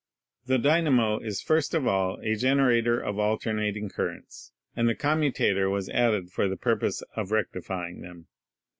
The dynamo is first of all a generator of alternating currents, and the commutator was added for the purpose of rectifying them.